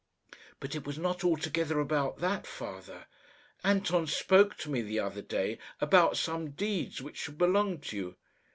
"But it was not altogether about that, father. Anton spoke to me the other day about some deeds which should belong to you."